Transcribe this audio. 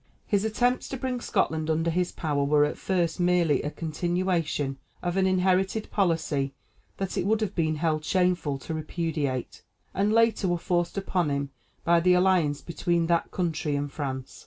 His attempts to bring Scotland under his power were at first merely a continuation of an inherited policy that it would have been held shameful to repudiate, and later were forced upon him by the alliance between that country and France.